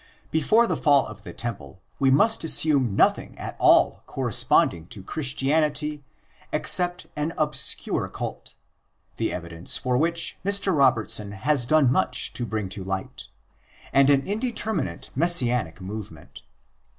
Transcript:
Before the fall of the Temple we must assume nothing at all corresponding to Christianity except an obscure cult— the evidence for which Mr. Robertson has done much to bring to light—and an indeterminate Messianic movement.